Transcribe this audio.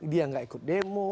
dia nggak ikut demo